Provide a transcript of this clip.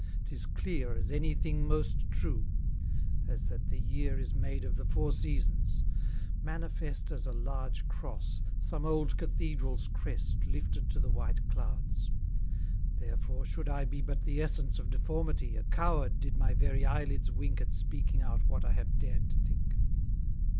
'Tis clear As any thing most true; as that the year Is made of the four seasons manifest As a large cross, some old cathedral's crest, Lifted to the white clouds. Therefore should I Be but the essence of deformity, A coward, did my very eye lids wink At speaking out what I have dared to think.